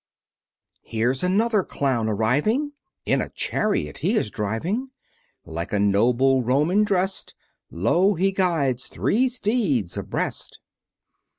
Here's another Clown arriving, In a chariot he is driving; Like a noble Roman drest, Lo, he guides three steeds abreast!